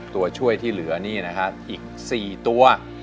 ตัวช่วยที่เหลือนี่นะครับอีก๔ตัว